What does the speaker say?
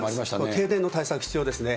停電の対策必要ですね。